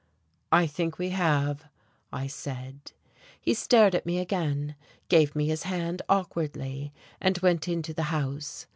"I think we have," I said. He stared at me again, gave me his hand awkwardly, and went into the house.